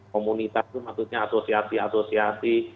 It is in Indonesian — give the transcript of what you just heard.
komunitas itu maksudnya asosiasi asosiasi